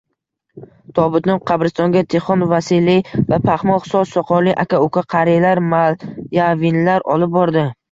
Tobutni qabristonga Tixon, Vasiliy va paxmoq soch-soqolli aka-uka qariyalar – Malyavinlar olib bordi.